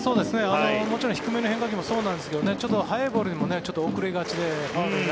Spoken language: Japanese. もちろん低めの変化球もそうなんですが速いボールにも遅れがちで